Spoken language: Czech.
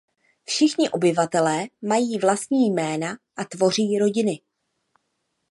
Všichni obyvatelé mají vlastní jména a tvoří rodiny.